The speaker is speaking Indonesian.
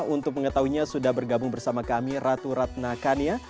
untuk mengetahuinya sudah bergabung bersama kami ratu ratna kania